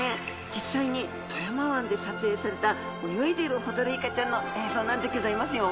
実際に富山湾で撮影された泳いでいるホタルイカちゃんの映像なんでギョざいますよ